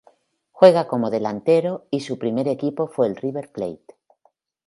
Juega como delantero y su primer equipo fue River Plate.